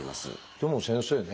でも先生ね